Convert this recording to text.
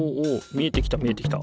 見えてきた見えてきた。